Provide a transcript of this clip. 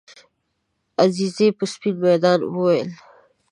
عزیزي په سپین میدان وویل.